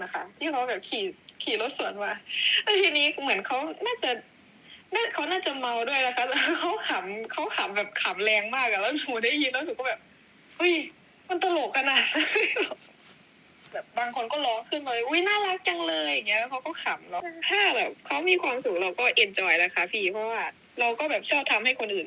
มีความรู้สึกว่ามีความรู้สึกว่ามีความรู้สึกว่ามีความรู้สึกว่ามีความรู้สึกว่ามีความรู้สึกว่ามีความรู้สึกว่ามีความรู้สึกว่ามีความรู้สึกว่ามีความรู้สึกว่ามีความรู้สึกว่ามีความรู้สึกว่ามีความรู้สึกว่ามีความรู้สึกว่ามีความรู้สึกว่ามีความรู้สึกว